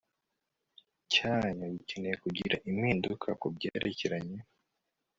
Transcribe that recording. cyanyu gikeneye kugira impinduka ku byerekeranye